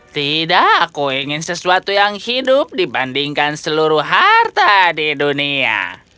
tidak aku ingin sesuatu yang hidup dibandingkan seluruh harta di dunia